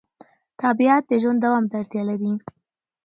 طبیعت د ژوند دوام ته اړتیا لري